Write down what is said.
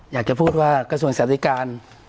อยากจะพูดว่ากระทรวงอินสัยการ